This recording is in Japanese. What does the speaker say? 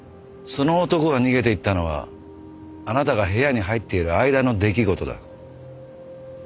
その男が逃げていったのはあなたが部屋に入っている間の出来事だ。